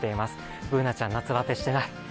Ｂｏｏｎａちゃん、夏バテしてない？